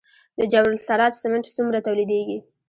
د جبل السراج سمنټ څومره تولیدیږي؟